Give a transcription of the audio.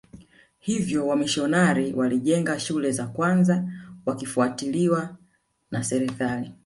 Hivyo wamisionari walijenga shule za kwanza wakifuatiliwa na serikali